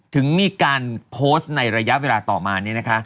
ถึงมีการโพสต์ในระยะเวลาต่อมาเนี่ยนะคะ